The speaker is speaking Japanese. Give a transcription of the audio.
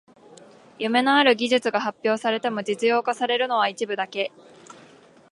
夢のある技術が発表されても実用化されるのは一部だけ